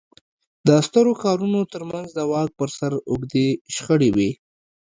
د سترو ښارونو ترمنځ د واک پر سر اوږدې شخړې وې